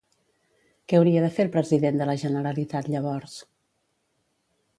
Què haurà de fer el president de la Generalitat, llavors?